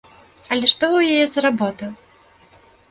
Але што ў яе за работа?